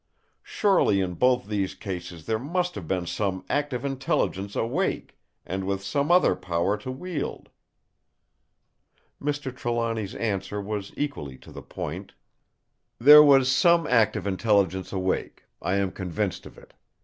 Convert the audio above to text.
Surely in both these cases there must have been some active intelligence awake, and with some other power to wield." Mr. Trelawny's answer was equally to the point: "There was some active intelligence awake. I am convinced of it.